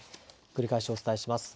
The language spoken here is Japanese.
繰り返しお伝えします。